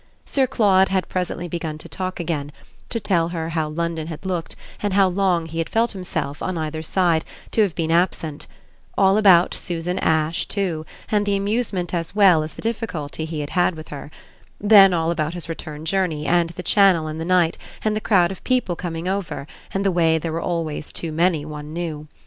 Sir Claude had presently begun to talk again, to tell her how London had looked and how long he had felt himself, on either side, to have been absent; all about Susan Ash too and the amusement as well as the difficulty he had had with her; then all about his return journey and the Channel in the night and the crowd of people coming over and the way there were always too many one knew.